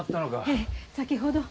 ええ先ほど。